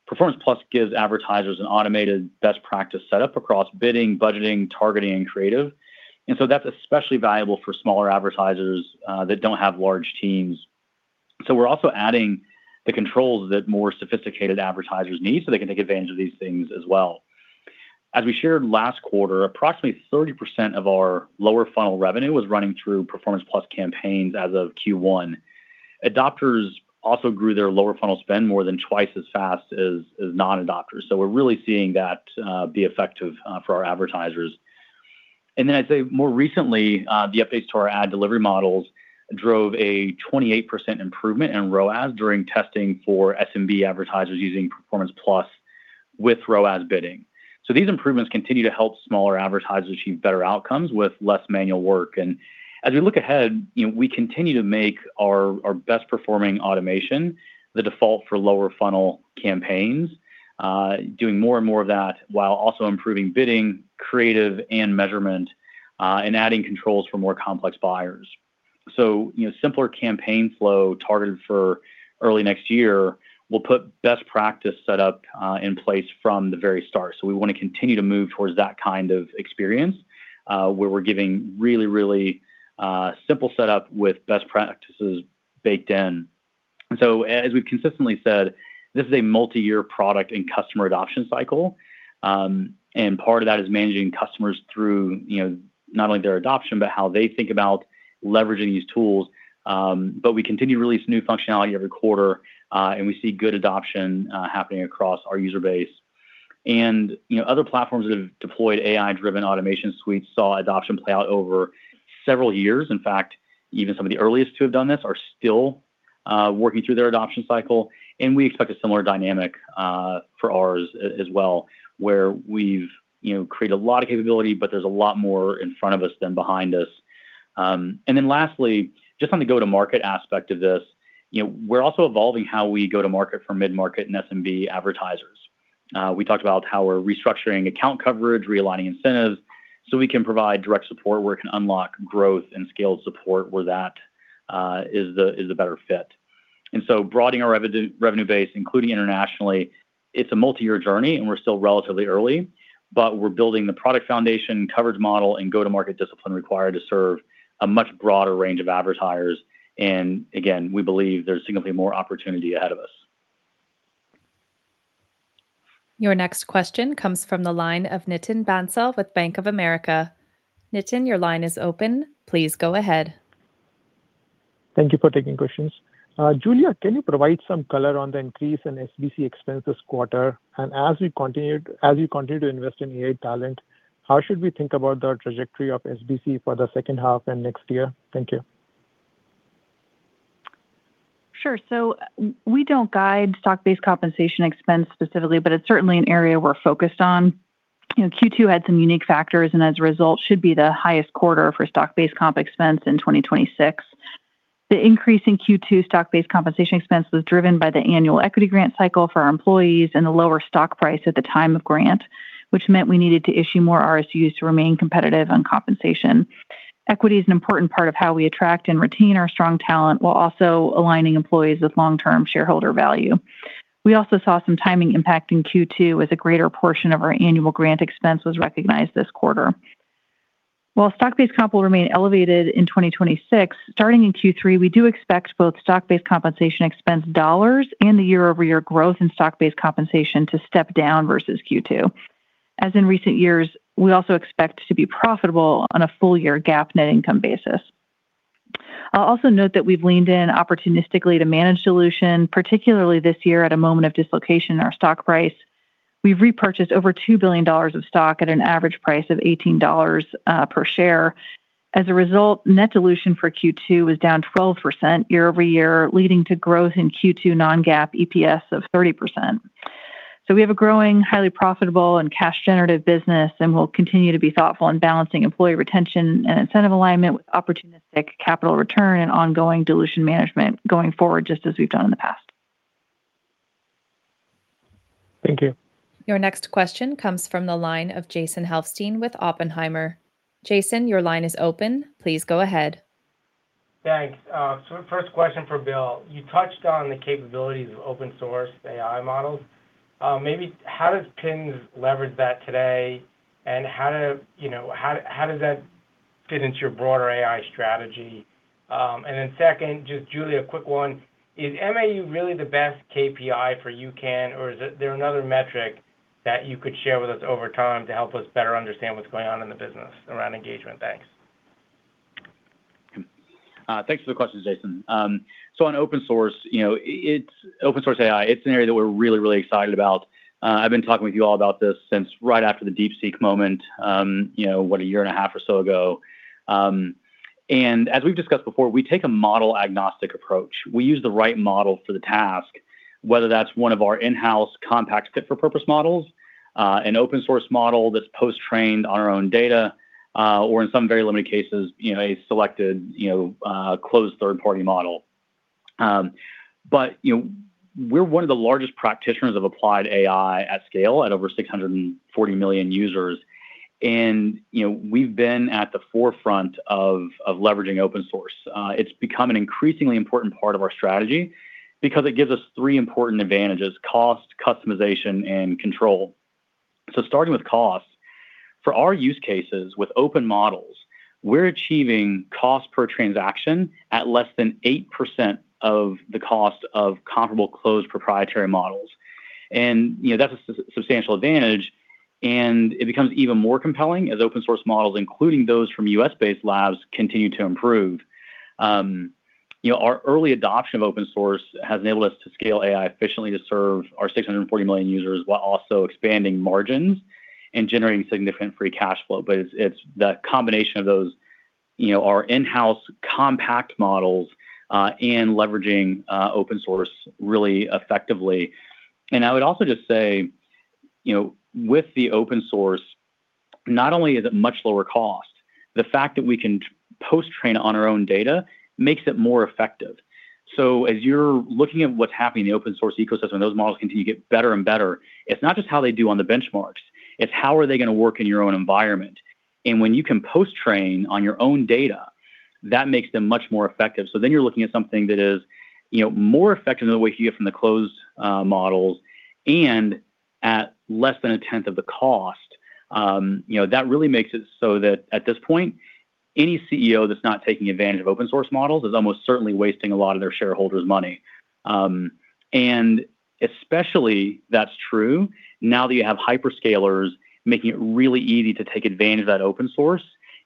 Performance+ gives advertisers an automated best practice set-up across bidding, budgeting, targeting, and creative. That's especially valuable for smaller advertisers that don't have large teams. We're also adding the controls that more sophisticated advertisers need so they can take advantage of these things as well. As we shared last quarter, approximately 30% of our lower funnel revenue was running through Performance+ campaigns as of Q1. Adopters also grew their lower funnel spend more than twice as fast as non-adopters. We're really seeing that be effective for our advertisers. I'd say more recently, the updates to our ad delivery models drove a 28% improvement in ROAS during testing for SMB advertisers using Performance+ with ROAS bidding. These improvements continue to help smaller advertisers achieve better outcomes with less manual work. As we look ahead, we continue to make our best performing automation the default for lower funnel campaigns, doing more and more of that while also improving bidding, creative, and measurement, and adding controls for more complex buyers. Simpler campaign flow targeted for early next year will put best practice set up in place from the very start. We want to continue to move towards that kind of experience, where we're giving really simple setup with best practices baked in. As we've consistently said, this is a multi-year product and customer adoption cycle. Part of that is managing customers through not only their adoption, but how they think about leveraging these tools. We continue to release new functionality every quarter, and we see good adoption happening across our user base. Other platforms that have deployed AI-driven automation suites saw adoption play out over several years. In fact, even some of the earliest to have done this are still working through their adoption cycle, and we expect a similar dynamic for ours as well, where we've created a lot of capability, but there's a lot more in front of us than behind us. Lastly, just on the go-to-market aspect of this, we're also evolving how we go to market for mid-market and SMB advertisers. We talked about how we're restructuring account coverage, realigning incentives, so we can provide direct support where we can unlock growth and scale support where that is the better fit. Broadening our revenue base, including internationally, it's a multi-year journey, and we're still relatively early, but we're building the product foundation, coverage model, and go-to-market discipline required to serve a much broader range of advertisers. Again, we believe there's significantly more opportunity ahead of us. Your next question comes from the line of Nitin Bansal with Bank of America. Nitin, your line is open. Please go ahead. Thank you for taking questions. Julia, can you provide some color on the increase in SBC expense this quarter? As you continue to invest in AI talent, how should we think about the trajectory of SBC for the second half and next year? Thank you. Sure. We don't guide stock-based compensation expense specifically, but it's certainly an area we're focused on. Q2 had some unique factors, and as a result, should be the highest quarter for stock-based comp expense in 2026. The increase in Q2 stock-based compensation expense was driven by the annual equity grant cycle for our employees and the lower stock price at the time of grant, which meant we needed to issue more RSUs to remain competitive on compensation. Equity is an important part of how we attract and retain our strong talent, while also aligning employees with long-term shareholder value. We also saw some timing impact in Q2 as a greater portion of our annual grant expense was recognized this quarter. While stock-based comp will remain elevated in 2026, starting in Q3, we do expect both stock-based compensation expense dollars and the year-over-year growth in stock-based compensation to step down versus Q2. As in recent years, we also expect to be profitable on a full year GAAP net income basis. I'll also note that we've leaned in opportunistically to manage dilution, particularly this year at a moment of dislocation in our stock price. We've repurchased over $2 billion of stock at an average price of $18 per share. As a result, net dilution for Q2 was down 12% year-over-year, leading to growth in Q2 non-GAAP EPS of 30%. We have a growing, highly profitable, and cash-generative business, and we'll continue to be thoughtful in balancing employee retention and incentive alignment with opportunistic capital return and ongoing dilution management going forward, just as we've done in the past. Thank you. Your next question comes from the line of Jason Helfstein with Oppenheimer. Jason, your line is open. Please go ahead. Thanks. First question for Bill. You touched on the capabilities of open source AI models. Maybe how does Pinterest leverage that today, and how does that fit into your broader AI strategy? Second, just Julia, a quick one. Is MAU really the best KPI for UCAN, or is there another metric that you could share with us over time to help us better understand what's going on in the business around engagement? Thanks. Thanks for the questions, Jason. On open source AI, it's an area that we're really, really excited about. I've been talking with you all about this since right after the DeepSeek moment, what, a year and a half or so ago. As we've discussed before, we take a model-agnostic approach. We use the right model for the task, whether that's one of our in-house compact fit-for-purpose models, an open source model that's post-trained on our own data, or in some very limited cases, a selected closed third-party model. We're one of the largest practitioners of applied AI at scale at over 640 million users. We've been at the forefront of leveraging open source. It's become an increasingly important part of our strategy because it gives us three important advantages: cost, customization, and control. Starting with cost, for our use cases with open models, we're achieving cost per transaction at less than 8% of the cost of comparable closed proprietary models. That's a substantial advantage, and it becomes even more compelling as open source models, including those from U.S.-based labs, continue to improve. Our early adoption of open source has enabled us to scale AI efficiently to serve our 640 million users while also expanding margins and generating significant free cash flow. It's the combination of those, our in-house compact models, and leveraging open source really effectively. I would also just say, with the open source, not only is it much lower cost, the fact that we can post-train on our own data makes it more effective. As you're looking at what's happening in the open source ecosystem, those models continue to get better and better. It's not just how they do on the benchmarks, it's how are they going to work in your own environment. When you can post-train on your own data, that makes them much more effective. You're looking at something that is more effective than what you get from the closed models and at less than 1/10 of the cost. That really makes it so that at this point, any CEO that's not taking advantage of open source models is almost certainly wasting a lot of their shareholders' money. Especially that's true now that you have hyperscalers making it really easy to take advantage of that open source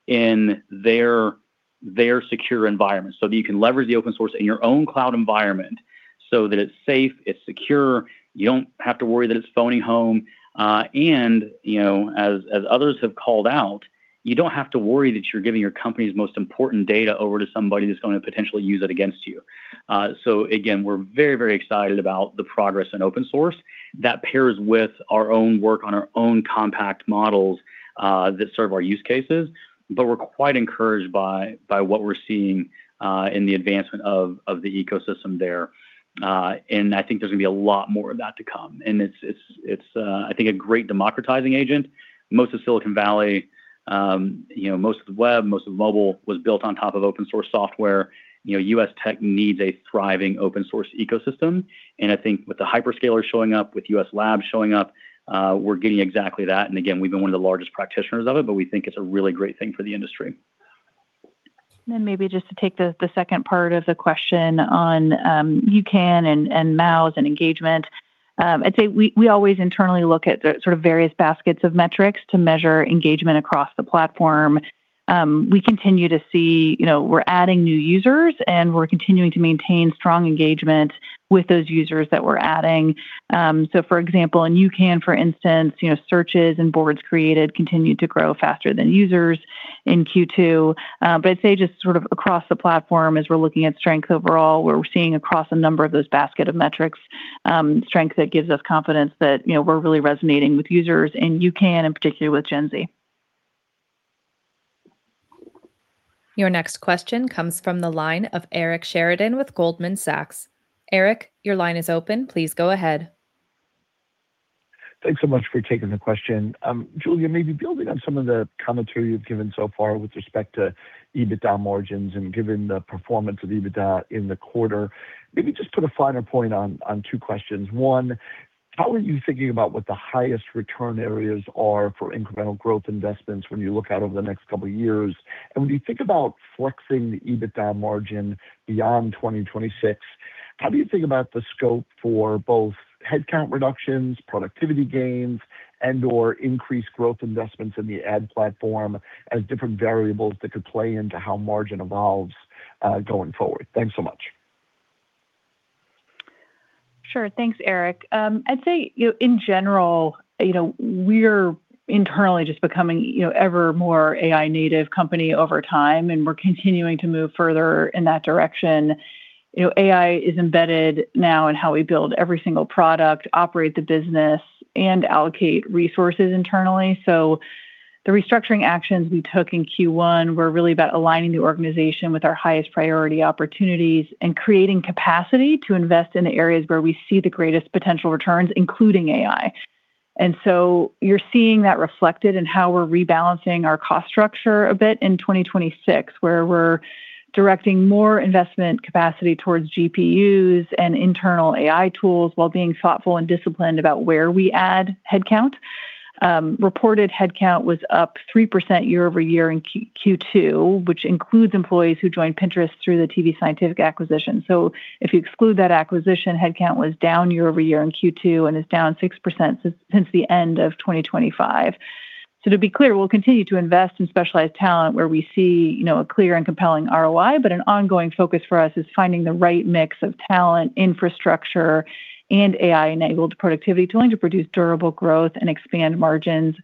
in their secure environment so that you can leverage the open source in your own cloud environment so that it's safe, it's secure, you don't have to worry that it's phoning home. As others have called out, you don't have to worry that you're giving your company's most important data over to somebody that's going to potentially use it against you. Again, we're very excited about the progress in open source that pairs with our own work on our own compact models that serve our use cases. We're quite encouraged by what we're seeing in the advancement of the ecosystem there. I think there's going to be a lot more of that to come. It's I think a great democratizing agent. Most of Silicon Valley, most of the web, most of mobile was built on top of open source software. U.S. tech needs a thriving open source ecosystem. I think with the hyperscalers showing up, with U.S. labs showing up, we're getting exactly that. Again, we've been one of the largest practitioners of it, we think it's a really great thing for the industry. Maybe just to take the second part of the question on UCAN and MAUs and engagement. I'd say we always internally look at the sort of various baskets of metrics to measure engagement across the platform. We continue to see, we're adding new users and we're continuing to maintain strong engagement with those users that we're adding. For example, in UCAN, for instance, searches and boards created continued to grow faster than users in Q2. I'd say just sort of across the platform as we're looking at strength overall, where we're seeing across a number of those basket of metrics, strength that gives us confidence that we're really resonating with users in UCAN, in particular with Gen Z. Your next question comes from the line of Eric Sheridan with Goldman Sachs. Eric, your line is open. Please go ahead. Thanks so much for taking the question. Julia, maybe building on some of the commentary you've given so far with respect to EBITDA margins and given the performance of EBITDA in the quarter, maybe just put a finer point on two questions. One, how are you thinking about what the highest return areas are for incremental growth investments when you look out over the next couple of years? When you think about flexing the EBITDA margin beyond 2026, how do you think about the scope for both headcount reductions, productivity gains, and/or increased growth investments in the ad platform as different variables that could play into how margin evolves, going forward? Thanks so much. Sure. Thanks, Eric. I'd say, in general, we're internally just becoming ever more AI native company over time, and we're continuing to move further in that direction. AI is embedded now in how we build every single product, operate the business, and allocate resources internally. The restructuring actions we took in Q1 were really about aligning the organization with our highest priority opportunities and creating capacity to invest in the areas where we see the greatest potential returns, including AI. You're seeing that reflected in how we're rebalancing our cost structure a bit in 2026, where we're directing more investment capacity towards GPUs and internal AI tools while being thoughtful and disciplined about where we add headcount. Reported headcount was up 3% year-over-year in Q2, which includes employees who joined Pinterest through the tvScientific acquisition. If you exclude that acquisition, headcount was down year-over-year in Q2 and is down 6% since the end of 2025. To be clear, we'll continue to invest in specialized talent where we see a clear and compelling ROI, but an ongoing focus for us is finding the right mix of talent, infrastructure, and AI-enabled productivity tooling to produce durable growth and expand margins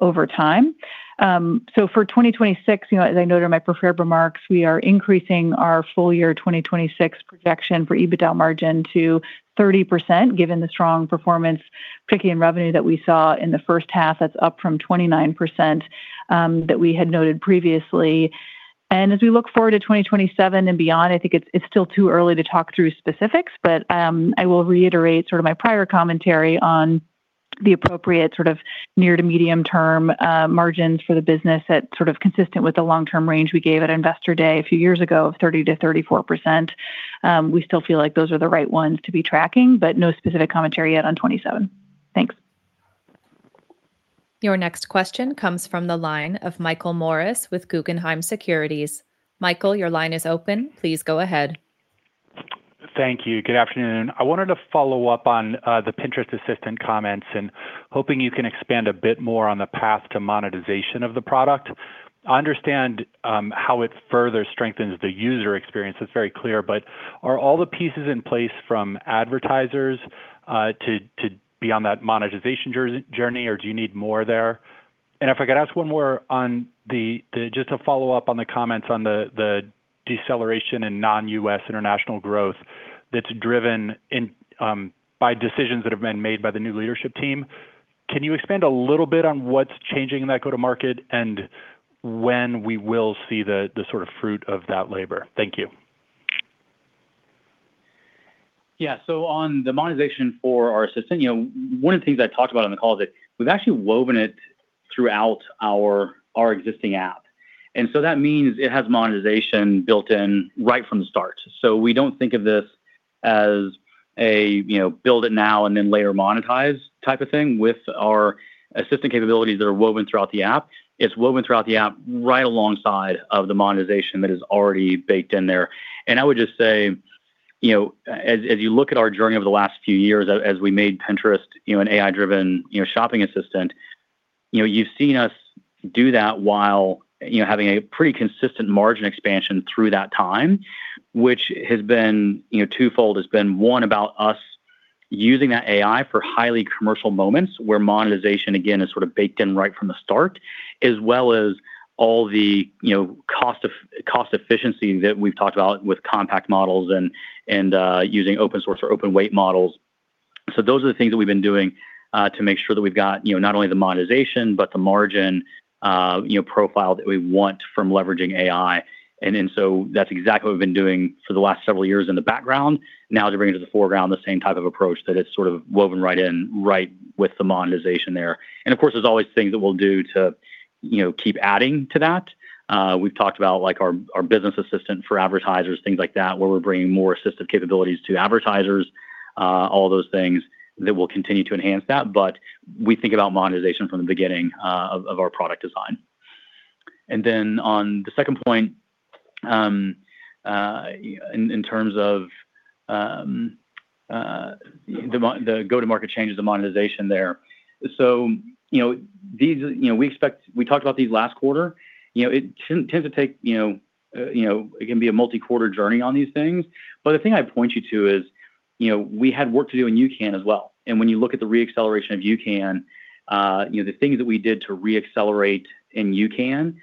over time. For 2026, as I noted in my prepared remarks, we are increasing our full year 2026 projection for EBITDA margin to 30% given the strong performance, particularly in revenue, that we saw in the first half. That's up from 29% that we had noted previously. As we look forward to 2027 and beyond, I think it's still too early to talk through specifics, but I will reiterate my prior commentary on the appropriate near to medium term margins for the business that's consistent with the long-term range we gave at Investor Day a few years ago of 30%-34%. We still feel like those are the right ones to be tracking, but no specific commentary yet on 2027. Thanks. Your next question comes from the line of Michael Morris with Guggenheim Securities. Michael, your line is open. Please go ahead. Thank you. Good afternoon. I wanted to follow up on the Pinterest Assistant comments and hoping you can expand a bit more on the path to monetization of the product. I understand how it further strengthens the user experience. It's very clear. Are all the pieces in place from advertisers to be on that monetization journey or do you need more there? If I could ask one more just to follow up on the comments on the deceleration in non-U.S. international growth that's driven by decisions that have been made by the new leadership team. Can you expand a little bit on what's changing in that go to market and when we will see the sort of fruit of that labor? Thank you. Yeah. On the monetization for our assistant, one of the things I talked about on the call is that we've actually woven it throughout our existing app. That means it has monetization built in right from the start. We don't think of this as a build it now and then later monetize type of thing. With our assistant capabilities that are woven throughout the app, it's woven throughout the app right alongside of the monetization that is already baked in there. I would just say, as you look at our journey over the last few years as we made Pinterest an AI-driven shopping assistant, you've seen us do that while having a pretty consistent margin expansion through that time, which has been twofold. Has been, one, about us using that AI for highly commercial moments where monetization, again, is sort of baked in right from the start, as well as all the cost efficiency that we've talked about with compact models and using open source or open weight models. Those are the things that we've been doing, to make sure that we've got not only the monetization, but the margin profile that we want from leveraging AI. That's exactly what we've been doing for the last several years in the background. Now to bring it to the foreground, the same type of approach that it's sort of woven right in, right with the monetization there. Of course, there's always things that we'll do to keep adding to that. We've talked about our Business Assistant for advertisers, things like that, where we're bringing more assistant capabilities to advertisers. All those things that will continue to enhance that. We think about monetization from the beginning of our product design. On the second point, in terms of the go-to-market changes, the monetization there. We talked about these last quarter. It can be a multi-quarter journey on these things. The thing I'd point you to is, we had work to do in UCAN as well. When you look at the re-acceleration of UCAN, the things that we did to re-accelerate in UCAN,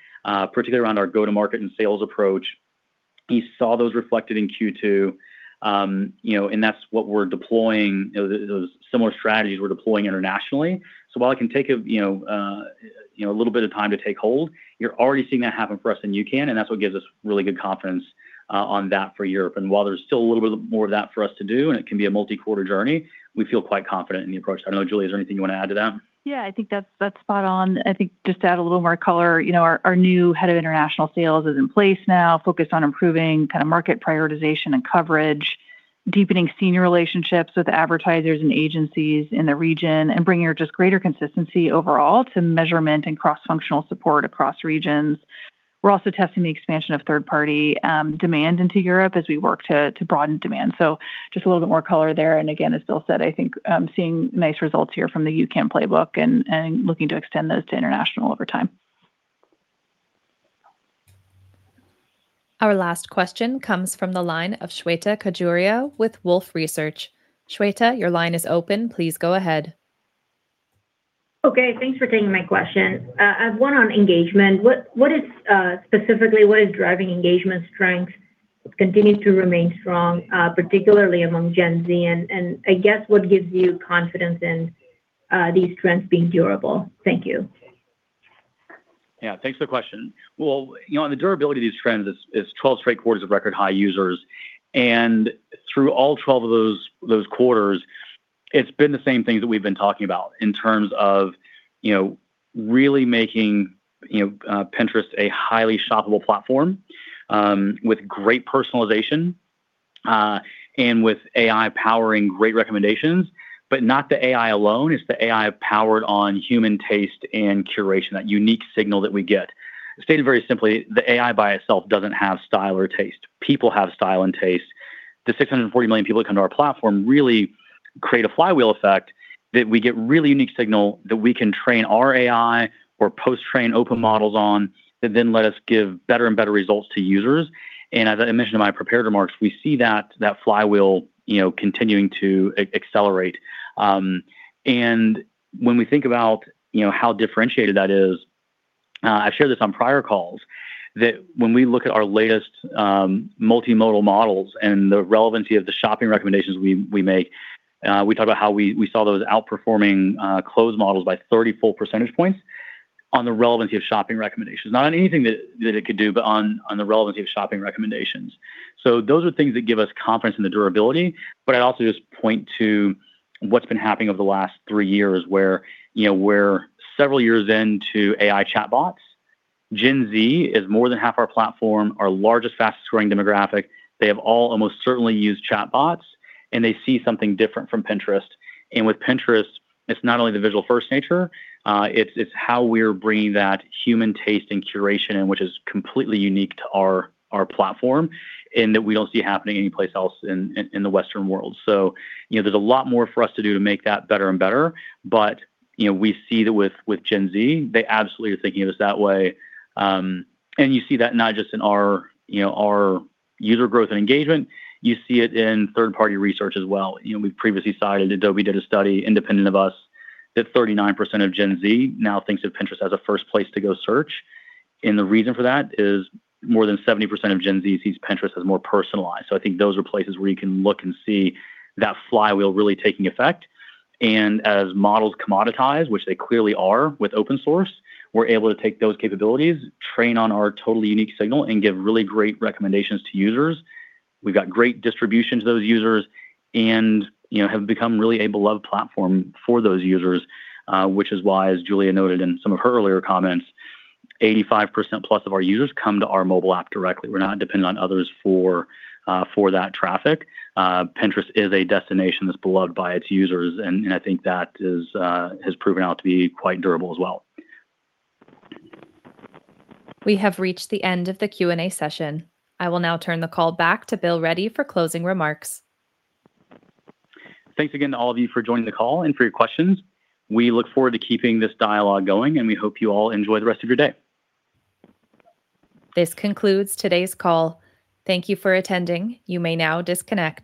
particularly around our go-to-market and sales approach, you saw those reflected in Q2. Those similar strategies we're deploying internationally. While it can take a little bit of time to take hold, you're already seeing that happen for us in UCAN, and that's what gives us really good confidence on that for Europe. While there's still a little bit more of that for us to do and it can be a multi-quarter journey, we feel quite confident in the approach. I know Julia, is there anything you want to add to that? I think that's spot on. I think just to add a little more color, our new head of international sales is in place now, focused on improving kind of market prioritization and coverage, deepening senior relationships with advertisers and agencies in the region, and bringing just greater consistency overall to measurement and cross-functional support across regions. We're also testing the expansion of third-party demand into Europe as we work to broaden demand. Just a little bit more color there, again, as Bill said, I think I'm seeing nice results here from the UCAN playbook and looking to extend those to international over time. Our last question comes from the line of Shweta Khajuria with Wolfe Research. Shweta, your line is open. Please go ahead. Okay, thanks for taking my question. I have one on engagement. Specifically, what is driving engagement strength? It continues to remain strong, particularly among Gen Z, I guess what gives you confidence in these trends being durable? Thank you. Yeah, thanks for the question. Well, on the durability of these trends is 12 straight quarters of record high users. Through all 12 of those quarters, it's been the same things that we've been talking about in terms of really making Pinterest a highly shoppable platform, with great personalization, with AI powering great recommendations. Not the AI alone. It's the AI powered on human taste and curation, that unique signal that we get. Stated very simply, the AI by itself doesn't have style or taste. People have style and taste. The 640 million people that come to our platform really create a flywheel effect that we get really unique signal that we can train our AI or post-train open models on that then let us give better and better results to users. As I mentioned in my prepared remarks, we see that flywheel continuing to accelerate. When we think about how differentiated that is, I've shared this on prior calls, that when we look at our latest multimodal models and the relevancy of the shopping recommendations we make, we talk about how we saw those outperforming closed models by 30 full percentage points on the relevancy of shopping recommendations. Not on anything that it could do, but on the relevancy of shopping recommendations. Those are things that give us confidence in the durability. I'd also just point to what's been happening over the last three years where several years into AI chatbots, Gen Z is more than half our platform, our largest, fastest growing demographic. They have all almost certainly used chatbots, and they see something different from Pinterest. With Pinterest, it's not only the visual first nature, it's how we're bringing that human taste and curation in, which is completely unique to our platform and that we don't see happening anyplace else in the Western world. There's a lot more for us to do to make that better and better. We see that with Gen Z, they absolutely are thinking of us that way. You see that not just in our user growth and engagement, you see it in third-party research as well. We've previously cited Adobe did a study independent of us that 39% of Gen Z now thinks of Pinterest as a first place to go search. The reason for that is more than 70% of Gen Z sees Pinterest as more personalized. I think those are places where you can look and see that flywheel really taking effect. As models commoditize, which they clearly are with open source, we're able to take those capabilities, train on our totally unique signal, and give really great recommendations to users. We've got great distribution to those users and have become really a beloved platform for those users, which is why, as Julia noted in some of her earlier comments, 85%+ of our users come to our mobile app directly. We're not dependent on others for that traffic. Pinterest is a destination that's beloved by its users, and I think that has proven out to be quite durable as well. We have reached the end of the Q&A session. I will now turn the call back to Bill Ready for closing remarks. Thanks again to all of you for joining the call and for your questions. We look forward to keeping this dialogue going, and we hope you all enjoy the rest of your day. This concludes today's call. Thank you for attending. You may now disconnect.